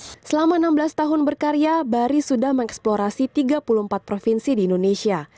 selama enam belas tahun berkarya bari sudah mengeksplorasi tiga puluh empat provinsi di indonesia